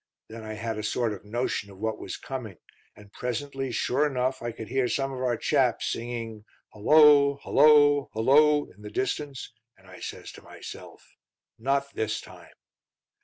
Then I had a sort of a notion of what was coming; and presently, sure enough, I could hear some of our chaps singing 'Hullo, hullo, hullo!' in the distance; and I says to myself, 'Not this time.'